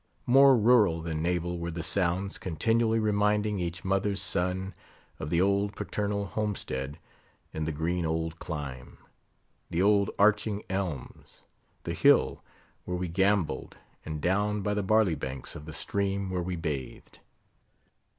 More rural than naval were the sounds; continually reminding each mother's son of the old paternal homestead in the green old clime; the old arching elms; the hill where we gambolled; and down by the barley banks of the stream where we bathed.